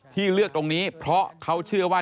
ที่เลือกตรงนี้เพราะเขาเชื่อว่า